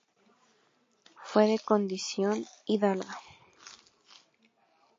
Fue de condición hidalga.